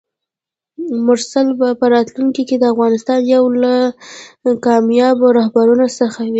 مرسل به په راتلونکي کې د افغانستان یو له کاميابو رهبرانو څخه وي!